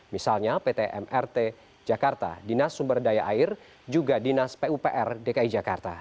misalnya pt mrt jakarta dinas sumber daya air juga dinas pupr dki jakarta